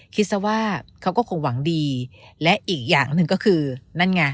คิดซะว่าเขาก็คงหวังดีและอีกอย่างหนึ่งก็คือนั่นไง